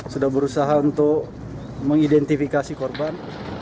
sudah berusaha untuk mengidentifikasi korban